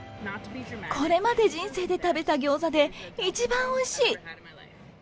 これまで人生で食べたギョーザで、一番おいしい。